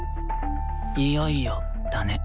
いよいよだね。